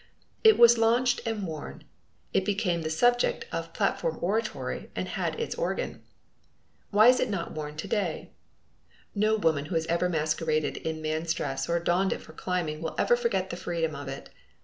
It was launched and worn. It became the subject of platform oratory and had its organ. Why is it not worn to day? No woman who has ever masqueraded in man's dress or donned it for climbing will ever forget the freedom of it.